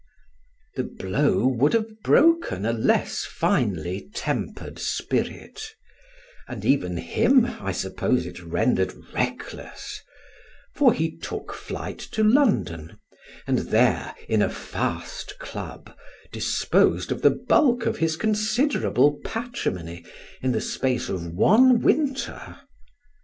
The blow would have broken a less finely tempered spirit; and even him I suppose it rendered reckless; for he took flight to London, and there, in a fast club, disposed of the bulk of his considerable patrimony in the space of one winter.